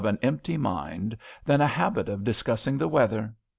an empty mind than a habit of discussing the weather.